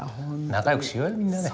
仲よくしようよみんなで。